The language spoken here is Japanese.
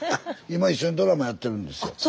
今一緒にドラマやってるんですよ。